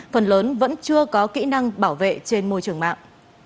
phần lớn vẫn chưa có kỹ năng bảo vệ trên môi trường mạng